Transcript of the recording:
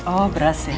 oh beras ya